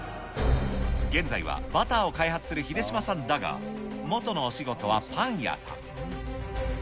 現在はバターを開発する秀島さんだが、元のお仕事はパン屋さん。